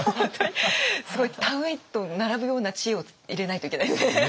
すごい田植えと並ぶような知恵を入れないといけないですね。